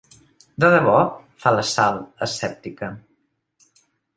¿De debò?, fa la Sal, escèptica.